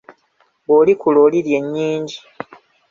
Bw'olikula olirya ennyingi.